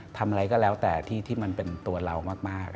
ทำอะไรก็แล้วแต่ที่มันเป็นตัวเรามาก